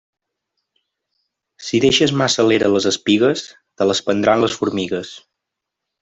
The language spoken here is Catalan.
Si deixes massa a l'era les espigues, te les prendran les formigues.